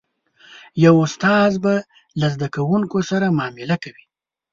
یو استاد به له زده کوونکو سره معامله کوي.